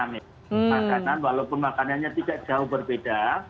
makanan walaupun makanannya tidak jauh berbeda